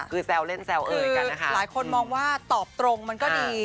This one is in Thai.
คือแซวเล่นแซวเอยกันหลายคนมองว่าตอบตรงมันก็ดี